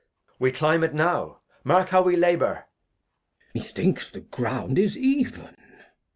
Edg. We cUmb it now, mark how we labour. Glost. Methinks the Ground is even.